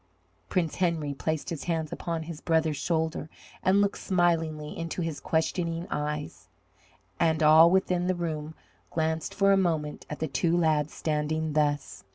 Prince Henry placed his hand upon his brother's shoulder and looked smilingly into his questioning eyes, and all within the room glanced for a moment at the two lads standing thus.